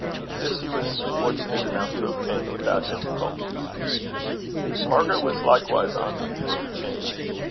This he was fortunate enough to obtain without difficulty. Margaret was likewise on the eve of a change.